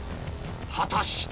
果たして？